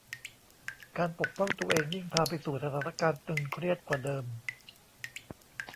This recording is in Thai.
การปกป้องตัวเองยิ่งพาไปสู่สถานการณ์ตึงเครียดกว่าเดิม